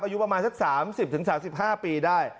อายุประมาณสัก๓๐๓๕ปีได้